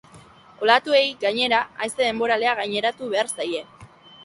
Olatuei, gainera, haize denboralea gaineratu behar zaie.